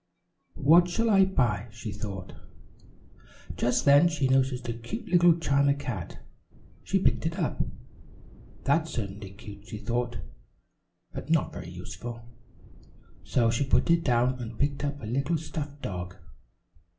"What shall I buy?" she thought. Just then she noticed a cute little china cat. She picked it up. "That's certainly cute," she thought, "but not very useful," so she put it down and picked up a little stuffed dog.